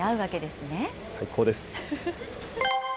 最高です。